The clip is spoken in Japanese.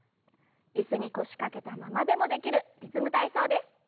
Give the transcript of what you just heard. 椅子に腰掛けたままでもできる「リズム体操」です。